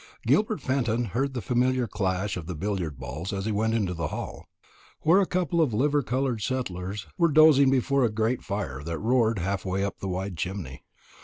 Gilbert Fenton heard the familiar clash of the billiard balls as he went into the hall, where a couple of liver coloured setters were dozing before a great fire that roared half way up the wide chimney.